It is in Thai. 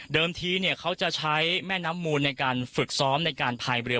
ทีเขาจะใช้แม่น้ำมูลในการฝึกซ้อมในการพายเรือ